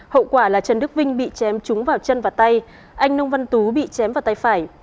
hậu quả là trần đức vinh bị chém trúng vào chân và tay anh nông văn tú bị chém vào tay phải